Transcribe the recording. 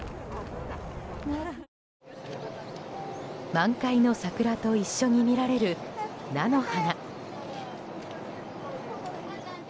満開の桜と一緒に見られる菜の花。